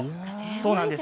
そうなんです。